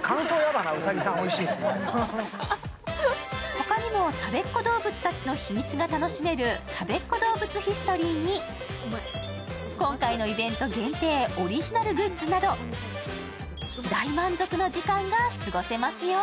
他にもたべっ子どうぶつたちの秘密が楽しめるたべっ子どうぶつヒストリーに今回のイベント限定オリジナルグッズなど大満足の時間が過ごせますよ。